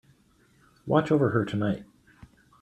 Watch over her tonight.